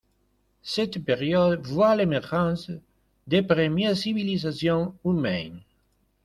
Cette période voit l'émergence des premières civilisations humaines.